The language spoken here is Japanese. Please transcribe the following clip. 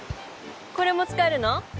これも使えるの？